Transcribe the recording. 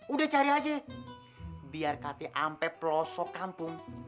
udah cari aja biar kati ampe pelosok kampung